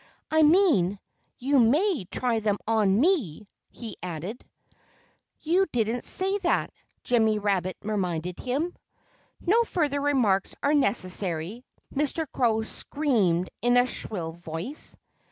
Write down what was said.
"I mean, you may try them on me" he added. "You didn't say that," Jimmy Rabbit reminded him. "No further remarks are necessary," Mr. Crow screamed in a shrill voice.